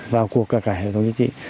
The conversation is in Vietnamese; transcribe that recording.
vào cuộc cả hệ thống chính trị